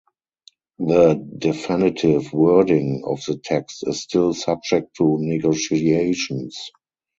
The definitive wording of the text is still subject to negotiations.